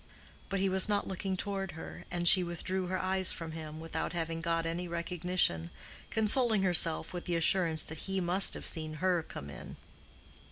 But he was not looking toward her, and she withdrew her eyes from him, without having got any recognition, consoling herself with the assurance that he must have seen her come in.